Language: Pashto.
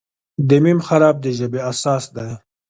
د "م" حرف د ژبې اساس دی.